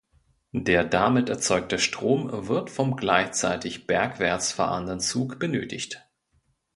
Der damit erzeugte Strom wird vom gleichzeitig bergwärts fahrenden Zug benötigt.